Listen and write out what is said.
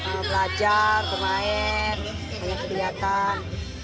belajar bermain banyak kegiatan